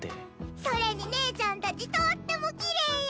それに姉ちゃんたちとっても奇麗や。